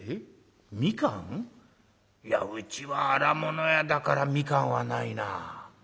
いやうちは荒物屋だから蜜柑はないなあ。